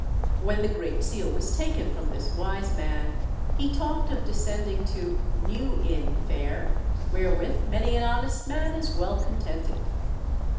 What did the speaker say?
When the Great Seal was taken from this wise man, he talked of descending to "New Inn fare, wherewith many an honest man is well contented."